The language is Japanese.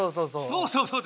そうそうそう。